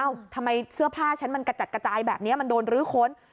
ทำไมเสื้อผ้าฉันมันกระจัดกระจายแบบนี้มันโดนรื้อค้น